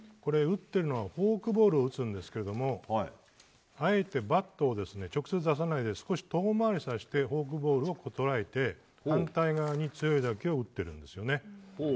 フォークボールを打つんですけどあえてバットを直接出さないで少し遠回りさせてフォークボールを捉えて反対側に強い打球を打っているんですね。